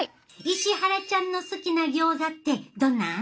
石原ちゃんの好きなギョーザってどんなん？